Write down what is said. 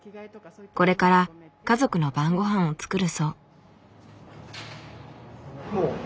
これから家族の晩御飯を作るそう。